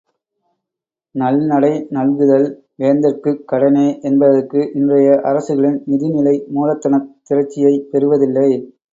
நல்நடை நல்குதல் வேந்தர்க்குக் கடனே. என்பதற்கு, இன்றைய அரசுகளின் நிதிநிலை மூலதனத் திரட்சியைப் பெறுவதில்லை.